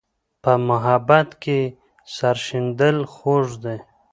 په محبت کې سر شیندل خوږ دي.